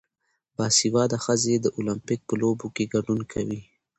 باسواده ښځې د اولمپیک په لوبو کې ګډون کوي.